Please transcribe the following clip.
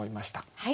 はい。